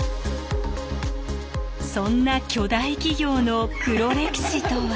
そんな巨大企業の黒歴史とは。